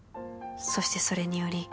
「そしてそれにより」